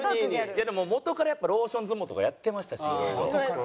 いやでももとからやっぱローション相撲とかやってましたしいろいろ。